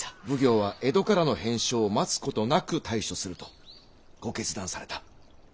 奉行は江戸からの返書を待つことなく対処するとご決断された。